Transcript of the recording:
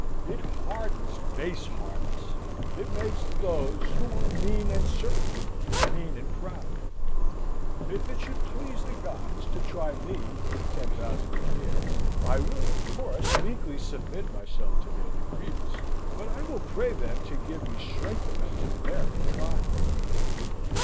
It hardens base hearts: it makes those who were mean and servile, mean and proud. If it should please the gods to try me with ten thousand a year, I will, of course, meekly submit myself to their decrees, but I will pray them to give me strength enough to bear the trial.